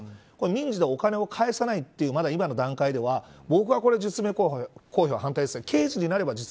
民事でお金を返さないという今の段階では僕は実名公表は反対です。